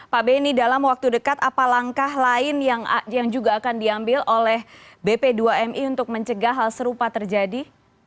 pak beni dalam waktu dekat apa langkah lain yang juga akan diambil oleh bp dua mi untuk mencegah hal serupa terjadi